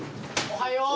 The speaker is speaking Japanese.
おはよう。